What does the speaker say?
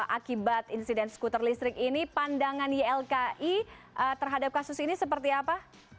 akibat insiden skuter listrik ini pandangan ylki terhadap kasus ini seperti apa